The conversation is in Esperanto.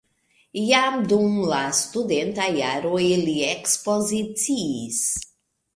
Jam dum la studentaj jaroj li ekspoziciis.